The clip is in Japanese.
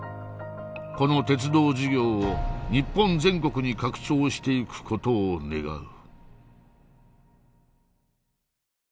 この鉄道事業を日本全国に拡張していく事を願う」